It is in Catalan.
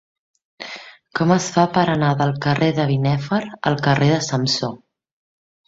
Com es fa per anar del carrer de Binèfar al carrer de Samsó?